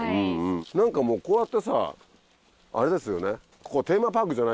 何かもうこうやってさあれですよね。